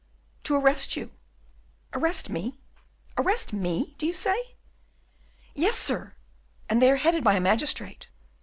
"To arrest you." "Arrest me? arrest me, do you say?" "Yes, sir, and they are headed by a magistrate."